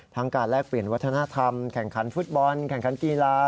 การแลกเปลี่ยนวัฒนธรรมแข่งขันฟุตบอลแข่งขันกีฬา